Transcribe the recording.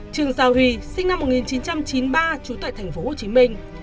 trường giao huy sinh năm một nghìn chín trăm chín mươi ba trú tại thành phố hồ chí minh